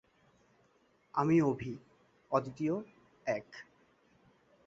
আমি অভীঃ, অদ্বিতীয়, এক।